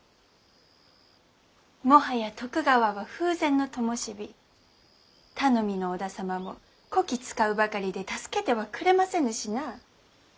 もはや徳川は風前のともし火頼みの織田様もこき使うばかりで助けてはくれませぬしなあ。